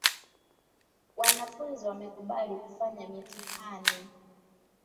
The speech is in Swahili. wanafunzi wamekubali kufanya mitihani.